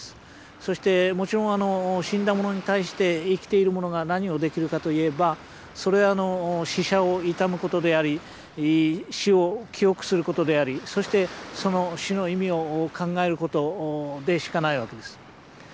そしてもちろん死んだ者に対して生きている者が何をできるかといえばそれは死者を悼むことであり死を清くすることでありそしてその死の意味を考えることでしかないわけです。